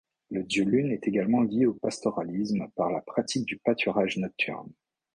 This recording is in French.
Le dieu Lune est également lié au pastoralisme par la pratique du pâturage nocturne.